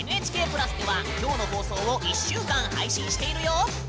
ＮＨＫ＋ではきょうの放送を１週間配信しているよ。